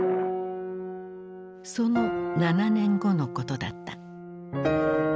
その７年後のことだった。